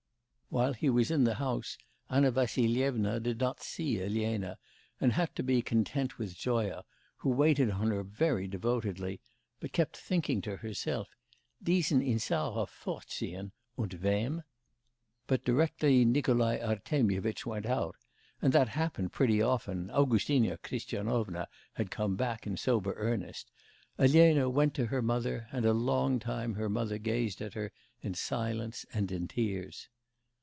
While he was in the house, Anna Vassilyevna did not see Elena, and had to be content with Zoya, who waited on her very devotedly, but kept thinking to herself: 'Diesen Insarof vorziehen und wem?' But directly Nikolai Artemyevitch went out and that happened pretty often, Augustina Christianovna had come back in sober earnest Elena went to her mother, and a long time her mother gazed at her in silence and in tears.